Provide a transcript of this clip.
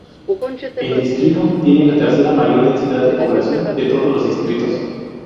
El distrito tiene la tercera mayor densidad de población de todos los distritos.